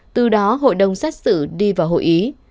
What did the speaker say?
từ đó hội đồng xét xử đi vào hội ý